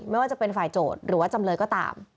ไม่ว่าจะเป็นฝ่ายโจทย์หรือว่าจำเลยก็ตาม